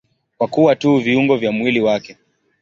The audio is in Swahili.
Kwa kuwa tu viungo vya mwili wake.